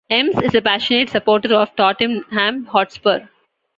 Emms is a passionate supporter of Tottenham Hotspur.